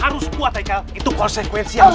ga kuat mau kabur kemana lagi